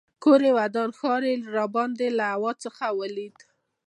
کور یې ودان ښار یې راباندې له هوا څخه ولیده.